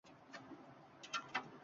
Qiz hayratdan tong qotdi